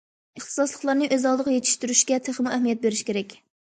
ئىختىساسلىقلارنى ئۆز ئالدىغا يېتىشتۈرۈشكە تېخىمۇ ئەھمىيەت بېرىش كېرەك.